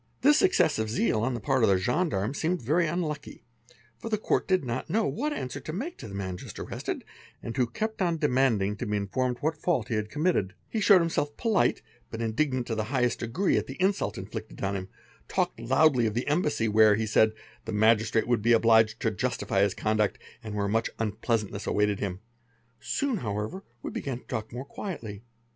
, excessive zeal on the part of the gendarme seemed very unlucky, for t Court did not know what answer to make to the man just arrested al who kept on demanding to be informed what fault he had committe He showed himself polite but indignant to the highest degree at 6 insult inflicted on him, talked loudly of the embassy, where, he said, ¢ Magistrate would be obliged to justify his conduct and where 1 7 unpleasantness awaited him. rg Soon however we began to talk more quietly.